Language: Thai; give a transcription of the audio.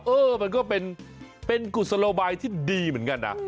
เออมันก็เป็นกุศโลบายที่ดีเหมือนกันนะ